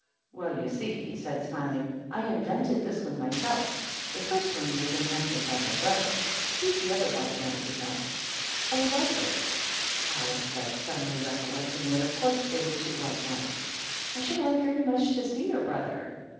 Well, you see," he said, smiling, " I invented this one myself; the first one was invented by my brother. He's the other White Knight, you know." " Oh, was it ?" Alice said, suddenly recollecting that of course there were two White Knights. " I should like very much to see your brother."